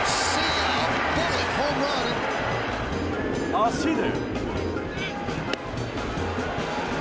足で。